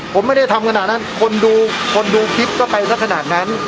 ผมไม่ได้ทำขนาดนั้นคนดูคนดูคลิปก็ไปสักขนาดนั้น